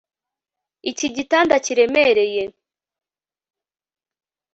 Iki gitanda kiremereye